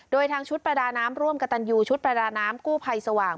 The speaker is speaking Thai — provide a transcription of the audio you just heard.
โดยทางชุดประดาน้ำร่วมกับตันยูชุดประดาน้ำกู้ภัยสว่าง